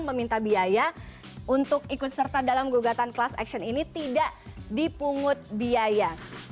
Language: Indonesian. meminta biaya untuk ikut serta dalam gugatan class action ini tidak dipungut biaya